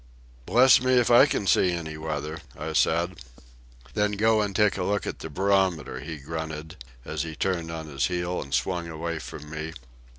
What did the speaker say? "Bless me if I can see any weather," I said. "Then go and take a look at the barometer," he grunted, as he turned on his heel and swung away from me.